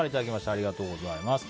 ありがとうございます。